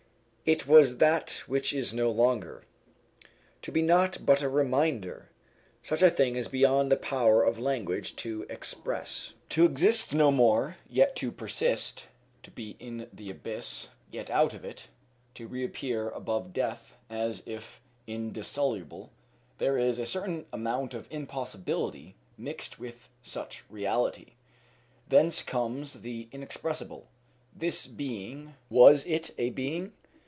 It was that which is no longer. To be naught but a remainder! Such a thing is beyond the power of language to express. To exist no more, yet to persist; to be in the abyss, yet out of it; to reappear above death as if indissoluble there is a certain amount of impossibility mixed with such reality. Thence comes the inexpressible. This being was it a being?